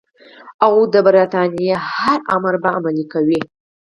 او د برټانیې هر امر به عملي کوي.